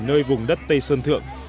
nơi vùng đất tây sơn thượng